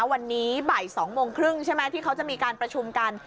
วันนี้บ่าย๒โมงครึ่งใช่ไหมที่เขาจะมีการประชุมกัน